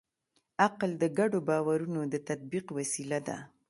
عقل د ګډو باورونو د تطبیق وسیله ده.